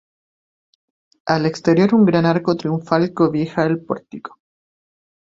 Al exterior un gran arco triunfal cobija el pórtico.